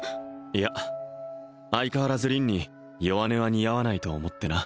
いや相変わらず凛に弱音は似合わないと思ってな